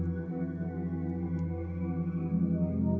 tapi tidak mungkin